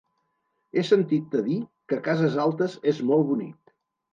He sentit a dir que Cases Altes és molt bonic.